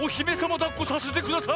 だっこさせてください。